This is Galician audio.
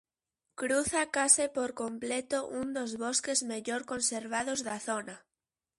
Cruza case por completo un dos bosques mellor conservados da zona.